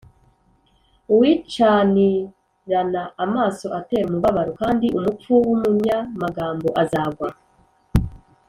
uwicanirana amaso atera umubabaro, kandi umupfu w’umunyamagambo azagwa